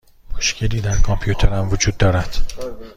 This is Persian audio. مشکلی در کامپیوترم وجود دارد.